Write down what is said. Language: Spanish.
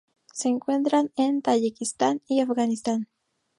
Se encuentra en Tayikistán y Afganistán.